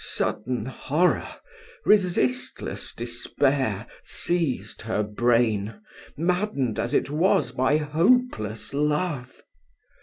Sudden horror, resistless despair, seized her brain, maddened as it was by hopeless love.